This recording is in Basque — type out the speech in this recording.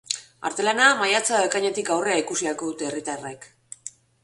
Artelana maiatz edo ekainetik aurrera ikusi ahalko dute herritarrek.